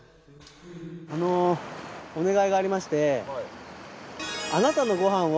あのお願いがありまして。